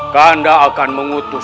kakak akan mengutus